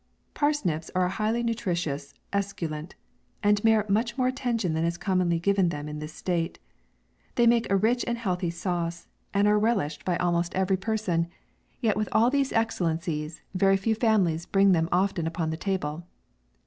PARSNIPS are a highly nutritious esculent, and merit much more attention than is commonly giv en to them in this state. They make a rich and healthy sauce, and are relished by almost 82 MAY. every person ; yet, with all these excellen cies, very few families bring them often upon the table.